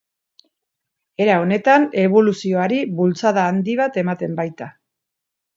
Era honetan eboluzioari bultzada handi bat ematen baita.